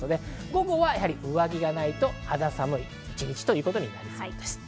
午後はは上着がないと肌寒い一日となりそうです。